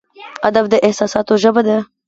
ادب د احساساتو ژبه ده.